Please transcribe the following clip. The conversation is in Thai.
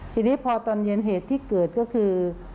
ทีนี้พอตอนเย็นเหตุที่เกิดก็คือ